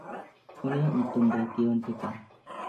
ᱩᱱᱤᱭᱟᱜ ᱧᱩᱛᱩᱢ ᱫᱚ ᱠᱤᱭᱚᱱᱴᱮ ᱠᱟᱱᱟ᱾